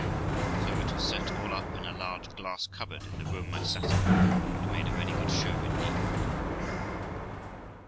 So it was set all up in a large glass cupboard in the room I sat in, where it made a very good show indeed.